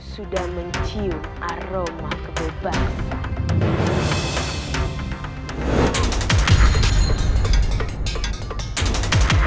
sudah mencium aroma kebebasan